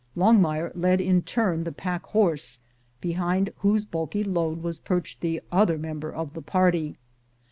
Longmire led in turn the pack horse, behind whose bulky load was perched the other member of the Earty.